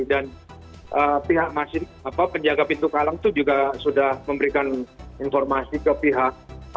dan pihak masing masing penjaga pintu palang itu juga sudah memberikan informasi ke pihak